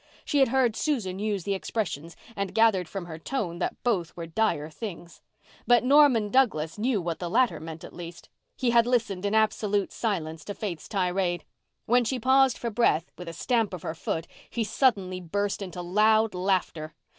She had heard Susan use the expressions and gathered from her tone that both were dire things. But Norman Douglas knew what the latter meant at least. He had listened in absolute silence to Faith's tirade. When she paused for breath, with a stamp of her foot, he suddenly burst into loud laughter.